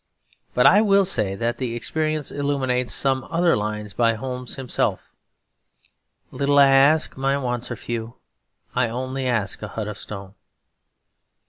But I will say that the experience illuminates some other lines by Holmes himself: Little I ask, my wants are few, I only ask a hut of stone.